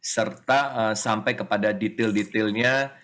serta sampai kepada detail detailnya